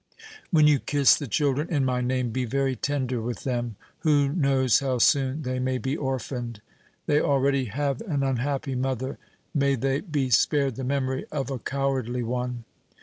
When you kiss the children in my name, be very tender with them. Who knows how soon they may be orphaned? They already have an unhappy mother; may they be spared the memory of a cowardly one!